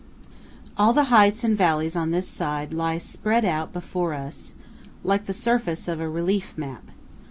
25 All the heights and valleys on this side lie spread out before us, like the surface of a relief map.